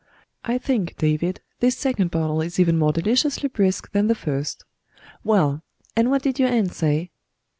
I think, David, this second bottle is even more deliciously brisk than the first. Well, and what did your aunt say?"